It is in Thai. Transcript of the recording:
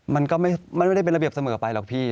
มันก็ไม่ได้เป็นระเบียบเสมอไปหรอกพี่